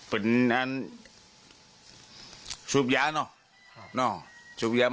เพื่อจะสนุสสุ่มการเจอของชายบีปบุ้ม